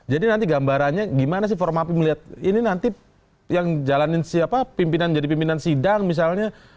jadi nanti gambarannya gimana sih formapi melihat ini nanti yang jalanin siapa pimpinan jadi pimpinan sidang misalnya